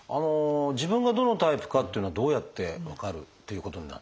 自分がどのタイプかっていうのはどうやって分かるということになるんでしょう？